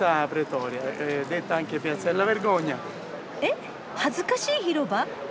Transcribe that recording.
えっ恥ずかしい広場？